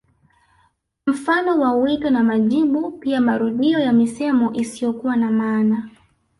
Mfano wa wito na majibu pia marudio ya misemo isiyokuwa na maana